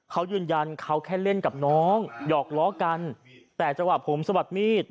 เขายืนยันเขาแค่เล่นกับน้องหยอกล้อกันแต่จังหวะผมสะบัดมีด